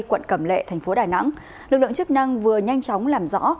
quận cầm lệ thành phố đài nẵng lực lượng chức năng vừa nhanh chóng làm rõ